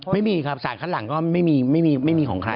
ไม่มีครับสารคัดหลังก็ไม่มีของใคร